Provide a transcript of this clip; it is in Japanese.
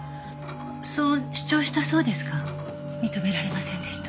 そう主張したそうですが認められませんでした。